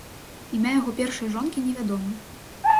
Імя яго першай жонкі невядома.